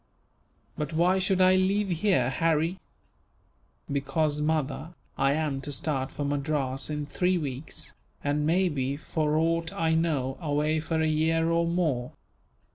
"But why should I leave here, Harry?" "Because, mother, I am to start for Madras in three weeks; and may be, for aught I know, away for a year or more.